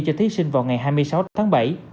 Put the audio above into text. cho thí sinh vào ngày hai mươi sáu tháng bảy